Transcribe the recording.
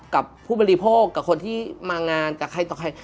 กับผู้บริโภคกับคนที่มางานกับใครต่อใคร